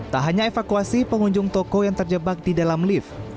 tak hanya evakuasi pengunjung toko yang terjebak di dalam lift